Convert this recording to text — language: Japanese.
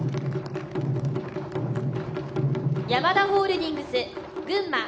ヤマダホールディングス・群馬。